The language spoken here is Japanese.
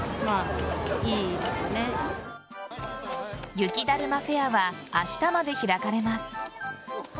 雪だるまフェアは明日まで開かれます。